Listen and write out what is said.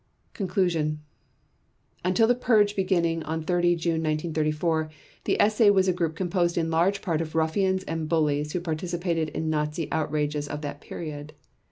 Conclusion Until the purge beginning on 30 June 1934, the SA was a group composed in large part of ruffians and bullies who participated in the Nazi outrages of that period.